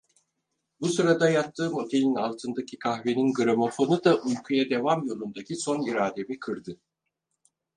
Bu sırada yattığım otelin altındaki kahvenin gramofonu da uykuya devam yolundaki son irademi kırdı.